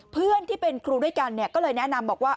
เพื่อนที่เป็นครูด้วยกันก็เลยแนะนำบอกว่า